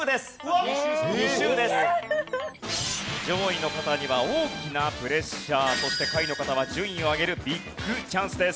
上位の方には大きなプレッシャーそして下位の方は順位を上げるビッグチャンスです。